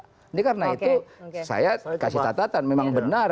jadi karena itu saya kasih catatan memang benar